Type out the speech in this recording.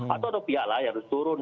atau ada pihak lain harus turun